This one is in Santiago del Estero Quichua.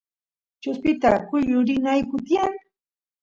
chuspista kuyurinayku tiyan